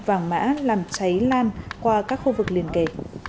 vàng mã làm cháy lan qua các khu vực liên kề